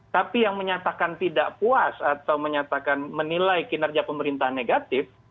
tapi yang menyatakan tidak puas atau menyatakan menilai kinerja pemerintah negatif